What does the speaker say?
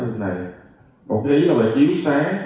một ý là chiếu sáng